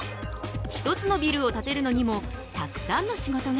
１つのビルを建てるのにもたくさんの仕事が。